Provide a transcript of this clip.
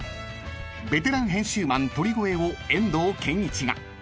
［ベテラン編集マン鳥越を遠藤憲一が］